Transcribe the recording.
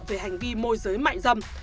về hành vi môi giới mạnh dâm